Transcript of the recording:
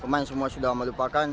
pemain semua sudah melupakan